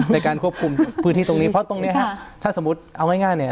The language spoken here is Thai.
ในการควบคุมพื้นที่ตรงนี้เพราะตรงเนี้ยฮะถ้าสมมุติเอาง่ายง่ายเนี่ย